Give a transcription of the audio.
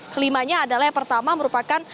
kelimanya adalah yang pertama merupakan